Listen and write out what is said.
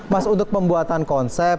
mas untuk pembuatan konsep